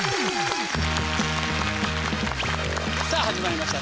さあ始まりました